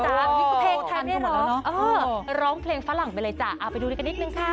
นี่คือเพลงไทยเนี่ยเหรอเออร้องเพลงฝรั่งไปเลยจ้ะเอาไปดูดีกันนิดนึงค่ะ